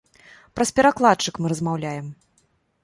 Праз перакладчык мы размаўляем.